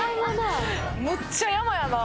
むっちゃ山やな。